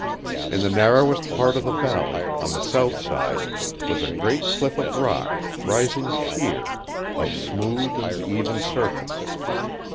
In the narrowest part of the valley, on the south side, was a great cliff of rock, rising sheer, of smooth and even surface.